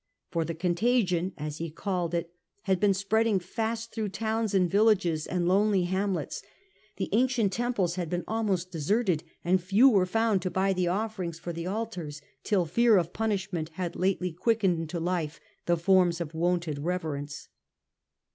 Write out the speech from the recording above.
For the contagion, as he called it, had been spreading fast through towns and villages and lonely hamlets ; the ancient temples had been almost deserted, and few were found to buy the offerings for the altars, till fear of punishment had lately quickened into life the forms of wonted reverence.